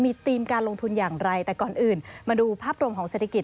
มีธีมการลงทุนอย่างไรแต่ก่อนอื่นมาดูภาพรวมของเศรษฐกิจ